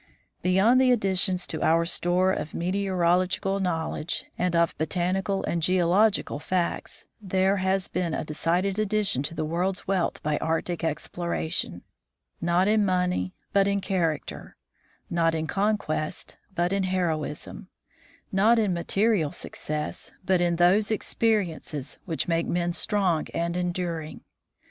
Beyond the additions to our store of meteorological EXPEDITIONS OF 1902 1 57 knowledge, and of botanical and geological facts, there, has been a decided addition to the world's wealth by Arc tic exploration : not in money, but in character ; not in conquest, but in heroism ; not in material success, but in those experiences which make men strong and enduring.